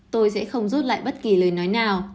tôi sẽ không rút lại bất kỳ lời nói nào